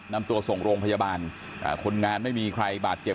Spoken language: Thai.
นำตัวส่งโรงพยาบาลคนงานไม่มีใครบาดเจ็บ